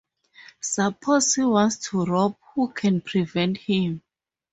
Suppose he wants to rob — who can prevent him?